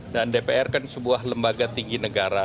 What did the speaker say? dan dpr kan sebuah lembaga tinggi negara